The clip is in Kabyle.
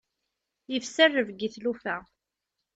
Ifsa rrebg i tlufa.